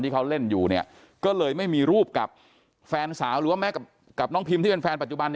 ที่เขาเล่นอยู่เนี่ยก็เลยไม่มีรูปกับแฟนสาวหรือว่าแม่กับน้องพิมที่เป็นแฟนปัจจุบัน